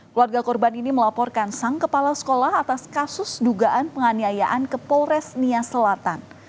keluarga korban ini melaporkan sang kepala sekolah atas kasus dugaan penganiayaan ke polres nia selatan